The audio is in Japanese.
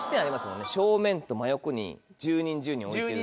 正面と真横に１０人１０人置いてるんで。